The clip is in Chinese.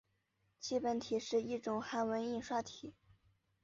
基本体是一种韩文印刷体。